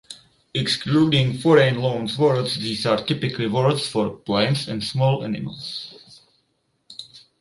Excluding foreign loan words, these are typically words for plants and small animals.